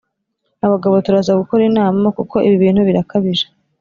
Abagabo turaza gukora inama kuko ibibintu birakabije